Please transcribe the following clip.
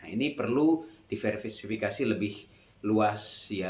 ini perlu diverifikasi lebih luas ya